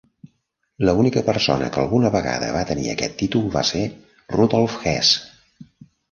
L'única persona que alguna vegada va tenir aquest títol va ser Rudolf Hess.